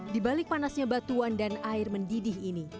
di balik panasnya batuan dan air mendidih ini